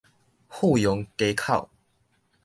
富陽街口